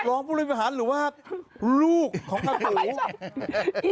ลองพูดไปหันหรือว่าลูกของข้าถู